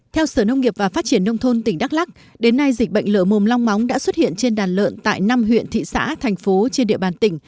theo sở nông nghiệp và phát triển nông thôn tỉnh đắk lắc đến nay dịch bệnh lở mồm long móng đã xuất hiện trên đàn lợn tại năm huyện thị xã thành phố trên địa bàn tỉnh